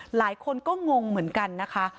หลายคนก็งงเหมือนกันนะคะ